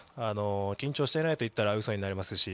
緊張していないと言ったらうそになりますし。